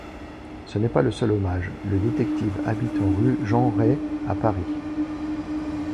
Ce n'est pas le seul hommage, le détective habitant rue Jean Ray à Paris.